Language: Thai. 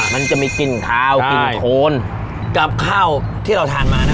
มันจะมีกลิ่นคาวกลิ่นโคนกับข้าวที่เราทานมานะ